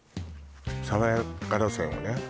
爽やか路線をね